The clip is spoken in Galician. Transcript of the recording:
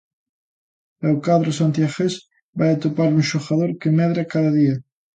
E o cadro santiagués vai atopar un xogador que medra cada día.